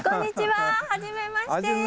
はじめまして。